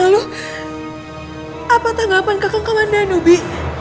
lalu apa tanggapan kakak kamandano ibu